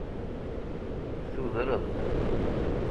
Tudreḍ-d.